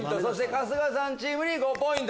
春日さんチームに５ポイント。